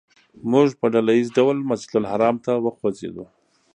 موږ په ډله ییز ډول مسجدالحرام ته وخوځېدو.